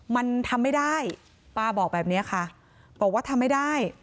มันทำไม่ได้ป้าบอกแบบนี้ค่ะบอกว่าทำไม่ได้